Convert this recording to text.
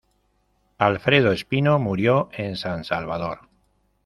Alfredo Espino murió en San Salvador.